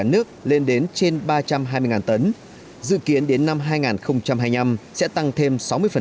nước lên đến trên ba trăm hai mươi tấn dự kiến đến năm hai nghìn hai mươi năm sẽ tăng thêm sáu mươi